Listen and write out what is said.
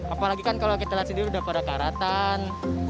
apalagi kan kalau kita lihat sendiri sudah pada karatan